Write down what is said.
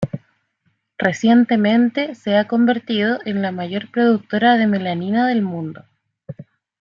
Recientemente se ha convertido en la mayor productora de melanina del mundo.